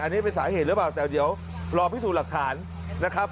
อันนี้เป็นสาเหตุหรือเปล่าแต่เดี๋ยวรอพิสูจน์หลักฐานนะครับ